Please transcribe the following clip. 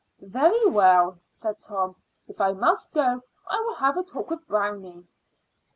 "Very well," said Tom; "if I must go I will have a talk with Brownie."